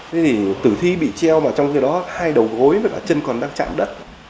thế thì tử thi bị treo mà trong khi đó hai đầu gối với cả chân còn đang chạm đất